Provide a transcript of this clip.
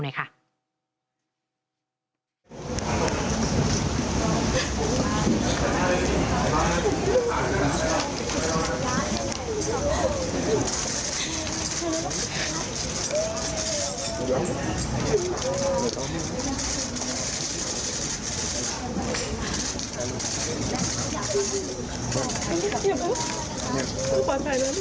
ขอบคุณค่ะคุณค่ะ